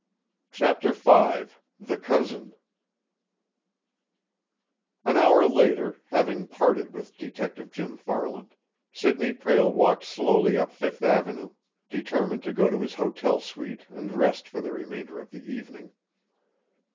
CHAPTER V THE COUSIN An hour later, having parted with Detective Jim Farland, Sidney Prale walked slowly up Fifth Avenue, determined to go to his hotel suite and rest for the remainder of the evening.